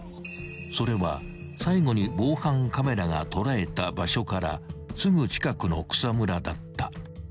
［それは最後に防犯カメラが捉えた場所からすぐ近くの草むらだった］